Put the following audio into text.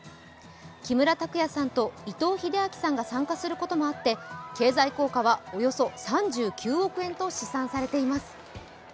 木村拓哉さんと伊藤英明さんが参加することもあって、経済効果はおよそ３９億円と試算されています。